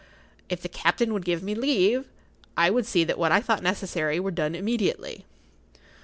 If the captain would give me leave, I would see that what I thought necessary were done immediately.